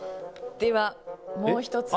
では、もう１つ。